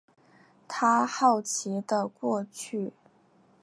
他好奇的过去